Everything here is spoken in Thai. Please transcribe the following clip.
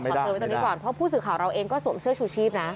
เตือนไว้ตรงนี้ก่อนเพราะผู้สื่อข่าวเราเองก็สวมเสื้อชูชีพนะ